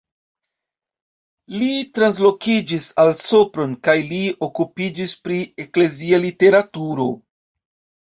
Li translokiĝis al Sopron kaj li okupiĝis pri eklezia literaturo.